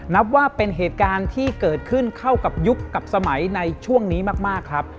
นับว่าเป็นเหตุการณ์ที่เกิดขึ้นเข้ากับยุคกับสมัยในช่วงนี้มากครับ